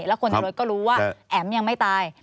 และคนทางรถว่าเรารู้ว่าแอ๋มยังไม่ตาย